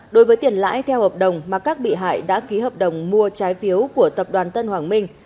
đối với tiền lãi theo hợp đồng mà các bị hại đã ký hợp đồng mua trái phiếu của tập đoàn tân hoàng minh